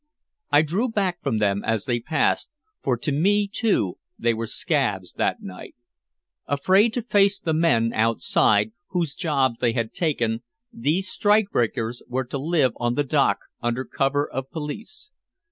I drew back from them as they passed, for to me too they were "scabs" that night. Afraid to face the men outside, whose jobs they had taken, these strike breakers were to live on the dock, under cover of police.